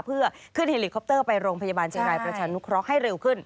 เพื่อขึ้นเฮลิคอปเตอร์ไปโรงพยาบาลเชียงรายประชานุเคราะห์ให้เร็วขึ้น